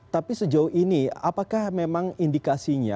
tapi sejauh ini apakah memang indikasinya